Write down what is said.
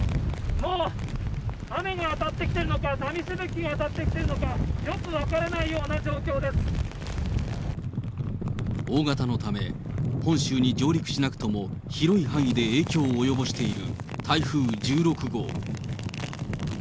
もう雨に当たってきているのか、波しぶきが当たってきてるのか、大型のため、本州に上陸しなくとも、広い範囲で影響を及ぼしている台風１６号。